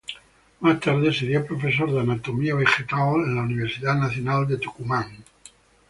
Más tarde sería profesor de Anatomía Vegetal en la Universidad Nacional de Tucumán.